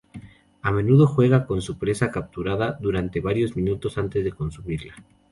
A menudo juega con su presa capturada durante varios minutos antes de consumirla.